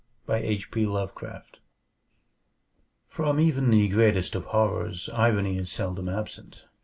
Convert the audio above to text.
From even the greatest of horrors irony is seldom absent.